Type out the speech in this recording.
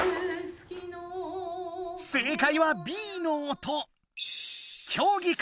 正解はＢの音。